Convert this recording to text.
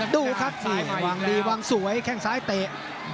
ดูครับวางดีวางสวยแข้งซ้ายเตะ